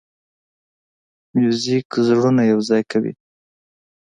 موزیک زړونه یوځای کوي.